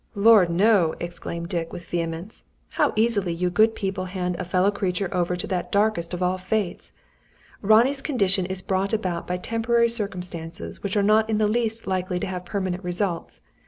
"Lor, no!" exclaimed Dick, with vehemence. "How easily you good people hand a fellow creature over to that darkest of all fates! Ronnie's condition is brought about by temporary circumstances which are not in the least likely to have permanent results.